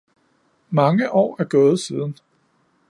Mange år er gået siden